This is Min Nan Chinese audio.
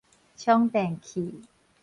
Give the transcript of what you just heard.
充電器